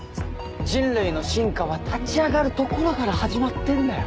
人類の進化は立ち上がるところから始まってんだよ。